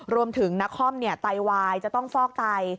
รวมถึงนักฮ่อมไตวายจะต้องฟอกไต